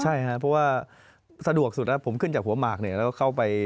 ใช่ครับเพราะว่าสะดวกสุดแล้วผมขึ้นจากหัวหมากเนี่ยแล้วก็เข้าไป